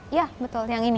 iya betul yang ini